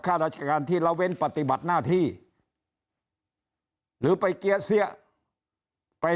ข้าราชการที่ละเว้นปฏิบัติหน้าที่หรือไปเกี้ยเสี้ยไป